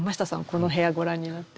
この部屋ご覧になって。